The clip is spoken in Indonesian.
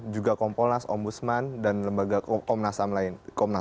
juga kompolnas om busman dan lembaga komnasam lain